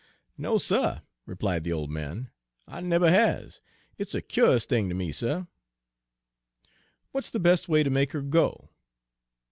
"No, suh," replied the old man, "I neber has. It's a cu'ous thing ter me, suh." "What's the best way to make her go?"